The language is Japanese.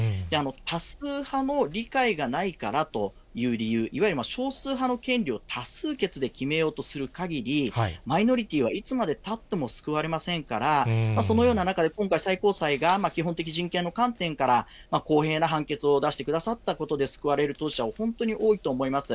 多数派の理解がないからという理由、いわゆる少数派の権利を多数決で決めようとするかぎり、マイノリティはいつまでたっても救われませんから、そのような中で今回、最高裁が基本的人権の観点から、公平な判決を出してくださったことで救われる当事者は本当に多いと思います。